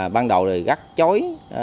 ban đầu gắt chối